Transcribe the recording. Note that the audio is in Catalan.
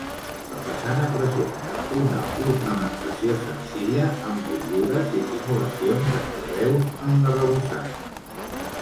La façana presenta una ornamentació senzilla amb motllures i simulacions de carreus en l’arrebossat.